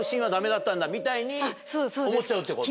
みたいに思っちゃうってこと？